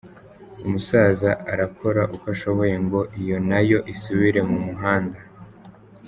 Umusaza arakora uko ashoboye ngo iyo na yo isubire mu muhanda.